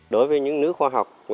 đối với những nữ khoa học